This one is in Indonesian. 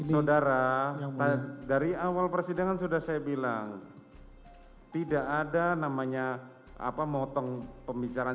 saudara dari awal persidangan sudah saya bilang tidak ada namanya apa motong pembicaraan